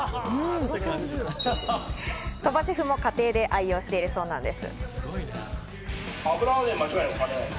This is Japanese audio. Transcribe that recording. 鳥羽シェフも家庭で愛用しているそうなんです。